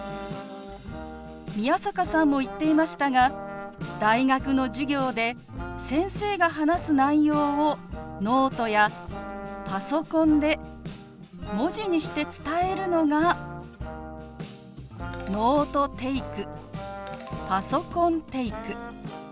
宮坂さんも言っていましたが大学の授業で先生が話す内容をノートやパソコンで文字にして伝えるのが「ノートテイク」「パソコンテイク」。